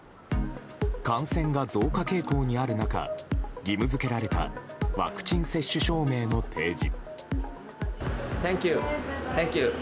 感染が増加傾向にある中義務付けられたワクチン接種証明の提示。